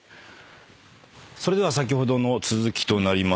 それでは先ほどの続きとなります。